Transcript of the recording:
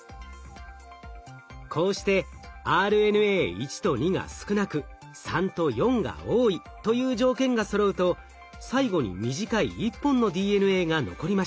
こうしてＲＮＡ１と２が少なく３と４が多いという条件がそろうと最後に短い１本のＤＮＡが残りました。